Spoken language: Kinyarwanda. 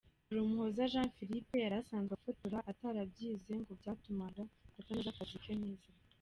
Harumuhoza Jean Phillippe yari asanzwe afotora atarabyize ngo byatumaga atanoza akazi ke neza.